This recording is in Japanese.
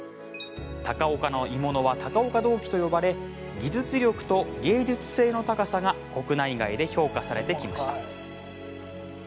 高岡の鋳物は高岡銅器と呼ばれ技術力と芸術性の高さが国内外で評価されてきました。